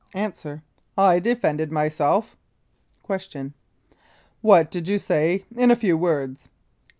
A. I defended myself. Q. What did you say in a few words?